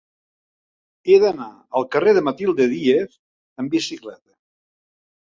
He d'anar al carrer de Matilde Díez amb bicicleta.